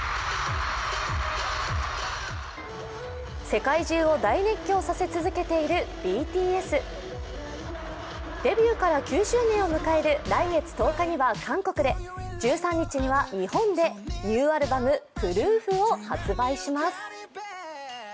世界中を大熱狂させ続けているＢＴＳデビューから９０年を迎える来月１０日には韓国で、１３日には日本で、ニューアルバム「Ｐｒｏｏｆ」を発売します。